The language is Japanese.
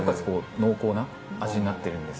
濃厚な味になってるんです。